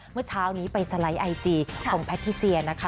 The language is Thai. เมื่อเช้านี้ไปสไลด์ไอจีของแพทิเซียนะคะ